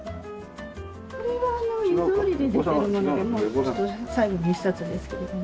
これはＲｉｚｚｏｌｉで出てるものでもうちょっと最後の一冊ですけれども。